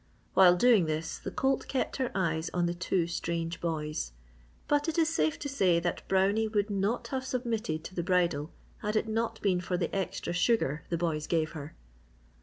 While doing this, the colt kept her eyes on the two strange boys. But it is safe to say that Brownie would not have submitted to the bridle had it not been for the extra sugar the boys gave her.